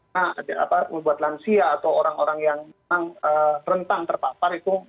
nah membuat lansia atau orang orang yang memang rentan terpapar itu